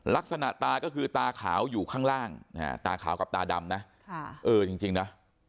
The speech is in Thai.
ลักษณะตาก็คือตาขาวอยู่ข้างล่างตาขาวกับตาดำนะเออจริงนะ